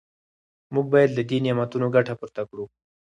موږ باید له دې نعمتونو ګټه پورته کړو.